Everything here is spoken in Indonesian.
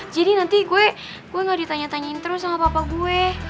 jadi nanti gue gak ditanya tanyain terus sama papa gue